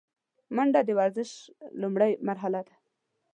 منډه د ورزش لومړۍ مرحله ده